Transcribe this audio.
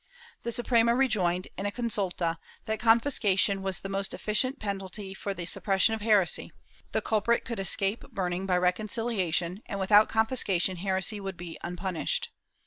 The Suprema rejoined, in a consulta, that confiscation was the most efficient penalty for the suppression of heresy; the culprit could escape burning by reconciliation and, without confiscation, heresy would be unpunished.